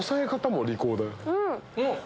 うん！